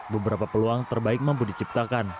beberapa peluang terbaik mampu diciptakan